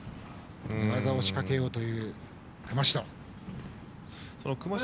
寝技をしかけようという熊代。